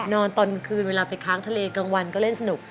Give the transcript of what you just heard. นอนตอนคืนเวลาไปค้างทะเลกลางวันก็เล่นสนุก